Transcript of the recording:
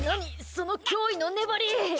その驚異の粘り。